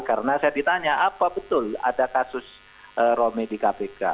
karena saya ditanya apa betul ada kasus romi di kpk